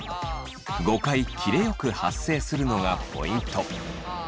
５回切れよく発声するのがポイント！